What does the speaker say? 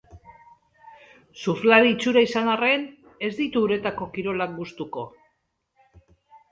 Surflari itxura izan arren, ez ditu uretako kirolak gustuko.